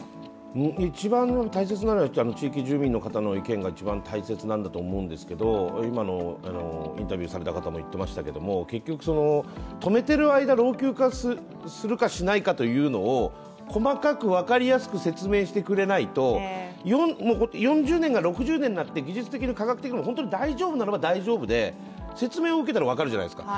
一番大切なのは地域住民の人の意見が大切だと思うんですけど今のインタビューされた方もいっていましたけれども結局、止めている間、老朽化するかしないかというのを細かく分かりやすく説明してくれないと４０年が６０年になって技術的にも科学的にも本当に大丈夫であれば大丈夫で説明を受けたら分かるじゃないですか。